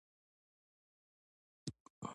مور ته په پښتنو کې ډیر لوړ مقام ورکول کیږي.